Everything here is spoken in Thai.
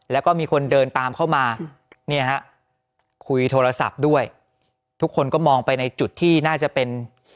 แล้วก็มีคนเดินตามเข้ามาเนี่ยฮะคุยโทรศัพท์ด้วยทุกคนก็มองไปในจุดที่น่าจะเป็น